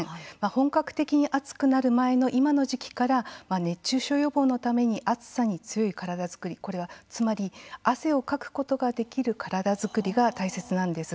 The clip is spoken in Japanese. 本格的に暑くなる前の今の時期から熱中症予防のために暑さに強い体作り、これはつまり、汗をかくことができる体作りが大切なんです。